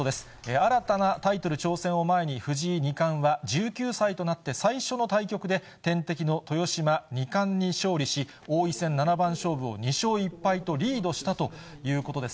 新たなタイトル挑戦を前に、藤井二冠は１９歳となって最初の対局で、天敵の豊島二冠に勝利し、王位戦七番勝負を２勝１敗とリードしたということです。